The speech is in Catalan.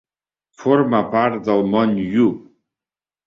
Forma part del mont Yu.